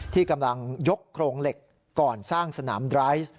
ที่กำลังยกโครงเหล็กก่อนสร้างสนามไรซ์